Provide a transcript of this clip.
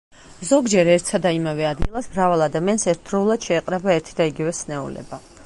ზოგჯერ ერთსა და იმავე ადგილას მრავალ ადამიანს ერთდროულად შეეყრება ერთი და იგივე სნეულება.